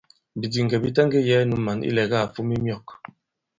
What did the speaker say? Bìdìŋgɛ̀ bi taŋgē yɛ̄ɛ nu mǎn ilɛ̀gâ à fom i myɔ̂k.